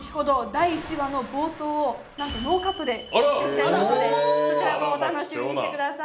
第１話の冒頭をなんとノーカットでお見せしちゃいますのでそちらもお楽しみにしてください。